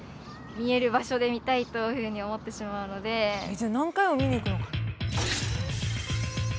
じゃあ何回も見に行くのかな。